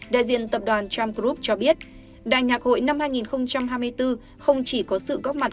đại diện tập đoàn tram group cho biết đà nhạc hội năm hai nghìn hai mươi bốn không chỉ có sự góp mặt